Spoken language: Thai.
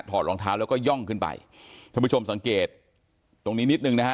อดรองเท้าแล้วก็ย่องขึ้นไปท่านผู้ชมสังเกตตรงนี้นิดนึงนะฮะ